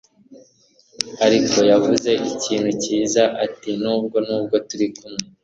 ariko, yavuze ikintu cyiza ati n'ubwo n'ubwo turi kimwe ,